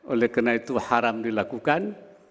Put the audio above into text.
oleh karena itu haram dilakukan